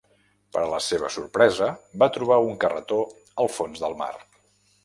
Per a la seva sorpresa, va trobar un carretó al fons del mar.